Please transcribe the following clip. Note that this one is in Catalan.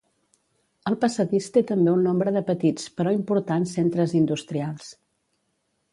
El passadís té també un nombre de petits però importants centres industrials.